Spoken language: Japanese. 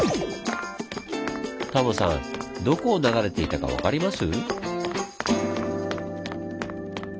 タモさんどこを流れていたか分かります？